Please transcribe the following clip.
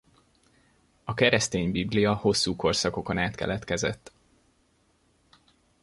A keresztény Biblia hosszú korszakokon át keletkezett.